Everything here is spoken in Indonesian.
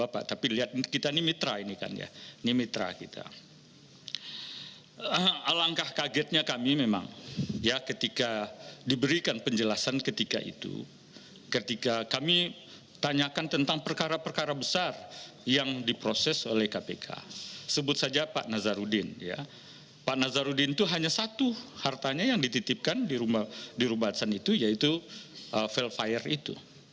pak nazarudin itu hanya satu hartanya yang dititipkan di rumah atasan itu yaitu velfire itu